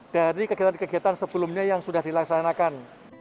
dari kegiatan kegiatan sebelumnya yang sudah dilaksanakan